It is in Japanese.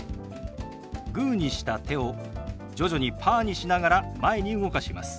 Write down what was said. グーにした手を徐々にパーにしながら前に動かします。